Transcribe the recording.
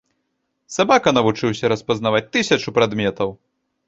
Сабака навучыўся распазнаваць тысячу прадметаў.